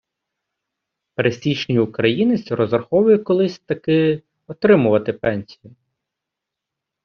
Пересічний українець розраховує колись таки отримувати пенсію.